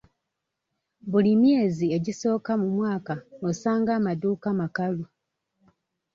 Buli myezi egisooka mu mwaka osanga amaduuka makalu.